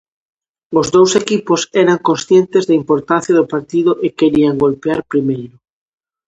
Os dous equipos eran conscientes da importancia do partido e querían golpear primeiro.